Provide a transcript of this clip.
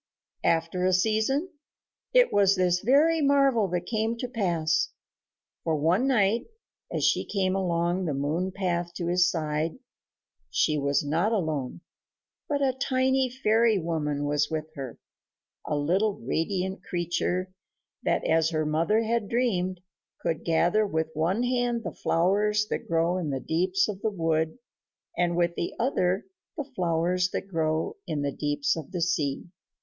after a season, it was this very marvel that came to pass; for one night, as she came along the moon path to his side, she was not alone, but a tiny fairy woman was with her a little radiant creature that, as her mother had dreamed, could gather with one hand the flowers that grow in the deeps of the wood and with the other the flowers that grow in the deeps of the sea.